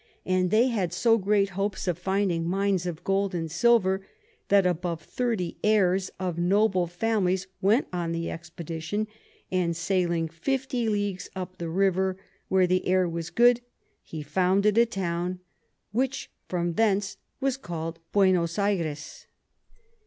and they had so great hopes of finding Mines of Gold and Silver, that above thirty Heirs of noble Families went on the Expedition; and sailing 50 Leagues up the River, where the Air was good, he founded a Town, which from thence was call'd Buenos Ayres.